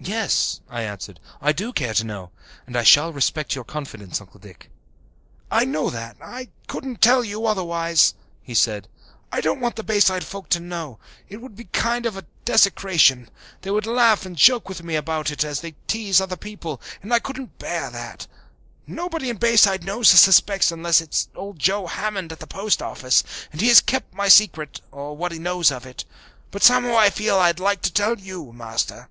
"Yes," I answered, "I do care to know. And I shall respect your confidence, Uncle Dick." "I know that. I couldn't tell you, otherwise," he said. "I don't want the Bayside folk to know it would be a kind of desecration. They would laugh and joke me about it, as they tease other people, and I couldn't bear that. Nobody in Bayside knows or suspects, unless it's old Joe Hammond at the post office. And he has kept my secret, or what he knows of it, well. But somehow I feel that I'd like to tell you, Master.